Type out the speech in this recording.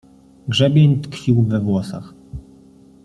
Grzebień tkwił we włosach.